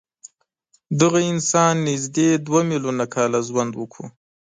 دغه انسان نږدې دوه میلیونه کاله ژوند وکړ.